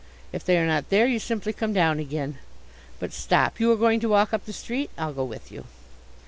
If they are not there, you simply come down again. But stop, you are going to walk up the street? I'll go with you."